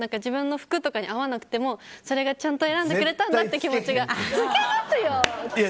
服とかに合わなくてもそれがちゃんと選んでくれたんだなっていう気持ちが。